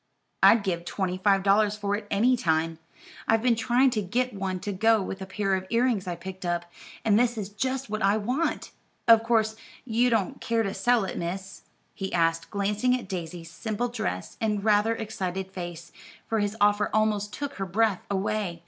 "I'd give twenty five dollars for it any time. I've been trying to get one to go with a pair of earrings I picked up, and this is just what I want. Of course you don't care to sell it, miss?" he asked, glancing at Daisy's simple dress and rather excited face, for his offer almost took her breath away.